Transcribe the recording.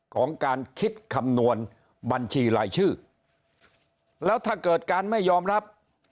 ของการคิดคำนวณบัญชีรายชื่อแล้วถ้าเกิดการไม่ยอมรับ